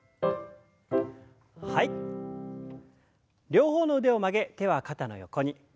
両方の腕を曲げ手は肩の横に。